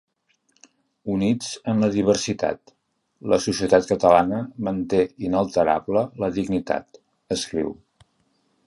Units en la diversitat, la societat catalana manté inalterable la dignitat, escriu.